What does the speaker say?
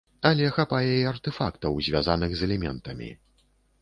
Але хапае і артэфактаў, звязаных з элементамі.